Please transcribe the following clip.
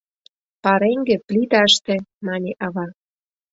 — Пареҥге — плиташте, — мане ава.